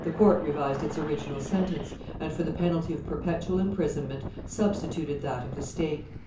court revised its original sentence, and for the penalty of perpetual imprisonment substituted that of the stake.